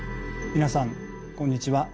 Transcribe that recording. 皆さんこんにちは。